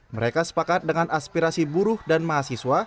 mereka sepakat dengan aspirasi buruh dan mahasiswa